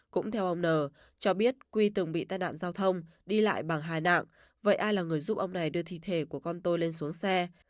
cũng theo ông n cho biết quy từng bị tai nạn giao thông đi lại bằng hai nạng vậy ai là người giúp ông này đưa thi thể của con tôi lên xuống xe